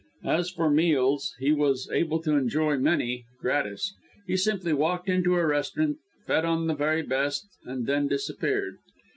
As for meals, he was able to enjoy many gratis. He simply walked into a restaurant, fed on the very best, and then disappeared.